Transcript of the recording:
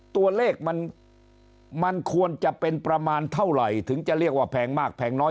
ตัวเลขมันควรจะเป็นประมาณเท่าไหร่ถึงจะเรียกว่าแพงมากแพงน้อย